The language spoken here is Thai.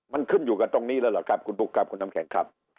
มันขึ้นอยู่กันตรงนี้แล้วเหรอครับคุณบุ๊คครับคุณน้ำแข็งครับ